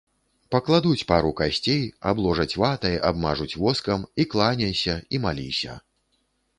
Пакладуць пару касцей, абложаць ватай, абмажуць воскам, і кланяйся, і маліся.